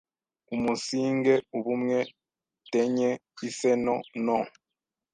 “umunsinge ubumwe” tenye iseno no